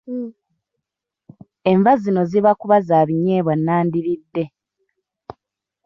Enva zino zibakuba za binyeebwa n’andiridde.